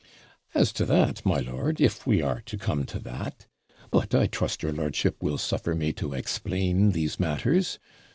'As to that, my lord, if we are to come to that but I trust your lordship will suffer me to explain these matters.